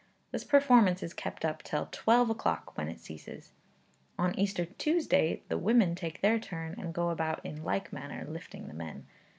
This performance is kept up till twelve o'clock, when it ceases. On Easter Tuesday the women take their turn, and go about in like manner lifting the men.